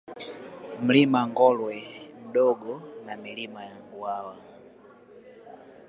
Mlima Ngolwe Mdogo na Milima ya Nguawa